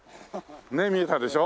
ねっ見えたでしょ？